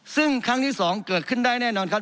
ซึ่งครั้งที่๒เกิดขึ้นได้แน่นอนครับ